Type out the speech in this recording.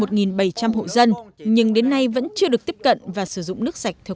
xã tuận hòa có hơn một bảy trăm linh hộ dân nhưng đến nay vẫn chưa được tiếp cận và sử dụng nước sạch theo